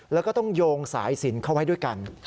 แล้วก็ต้องโยงสายสินเข้าไว้ด้วยกัน